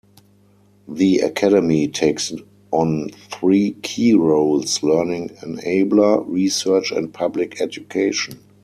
The Academy takes on three key roles: Learning Enabler, Research and Public Education.